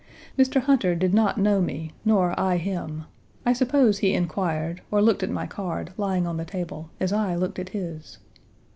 Mr. Hunter did not know me, nor I him. I suppose he inquired, or looked at my card, lying on the table, as I looked at his.